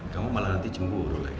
kamu malah nanti cemburu lagi